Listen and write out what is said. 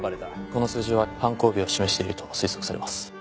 この数字は犯行日を示していると推測されます。